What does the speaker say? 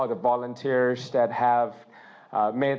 และขอบคุณที่ทั้งความด่วน